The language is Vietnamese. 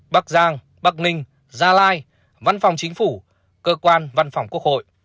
bắc giang bắc ninh gia lai văn phòng chính phủ cơ quan văn phòng quốc hội